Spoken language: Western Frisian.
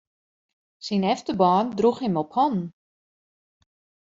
Syn efterban droech him op hannen.